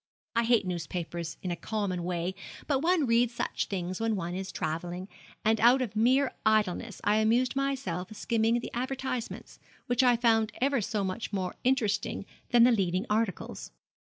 I hate newspapers in a common way, but one reads such things when one is travelling, and out of mere idleness I amused myself skimming the advertisements, which I found ever so much more interesting than the leading articles.